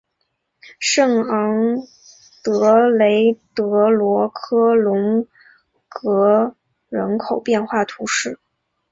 圣昂德雷德罗科龙格人口变化图示